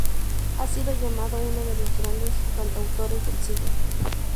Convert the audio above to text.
Ha sido llamado uno de "los grandes cantautores del siglo".